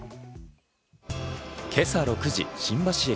今朝６時、新橋駅。